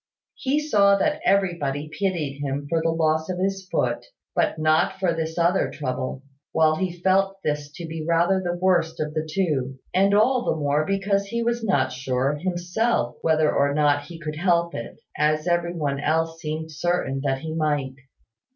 He saw that everybody pitied him for the loss of his foot, but not for this other trouble, while he felt this to be rather the worst of the two; and all the more because he was not sure himself whether or not he could help it, as every one else seemed certain that he might.